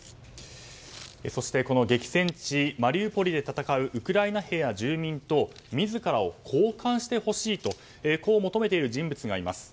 そして激戦地マリウポリで戦うウクライナ兵や住民と自らを交換してほしいとこう求めている人物がいます。